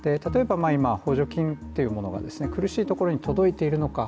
補助金というのが苦しいところに届いているのか。